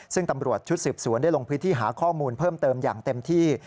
ซึ่งตำรวจชุดสืบสวนได้ลงพื้นที่หาข้อมูลเพิ่มเติมอย่างเต็มที่